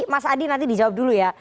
mas adi nanti di jawab dulu ya